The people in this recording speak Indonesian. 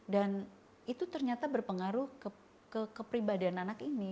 dan itu ternyata berpengaruh ke kepribadian anak ini